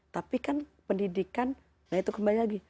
tapi kan pendidikan nah itu kembali lagi